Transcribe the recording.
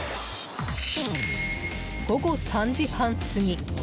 午後３時半過ぎ